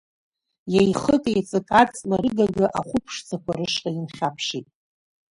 Еихык-еиҵык аҵла рыгага, ахәы ԥшӡақәа рышҟа инхьаԥшт.